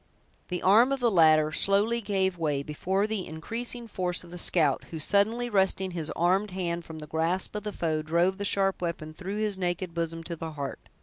The arm of the latter slowly gave way before the increasing force of the scout, who, suddenly wresting his armed hand from the grasp of the foe, drove the sharp weapon through his naked bosom to the heart.